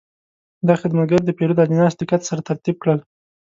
دا خدمتګر د پیرود اجناس دقت سره ترتیب کړل.